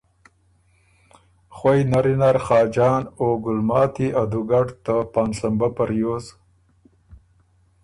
خوئ نری نر خاجان او ګلماتی ا دوګډ ته پانسمبۀ په ریوز